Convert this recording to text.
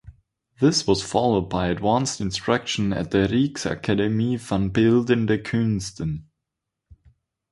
This was followed by advanced instruction at the Rijksakademie van beeldende kunsten.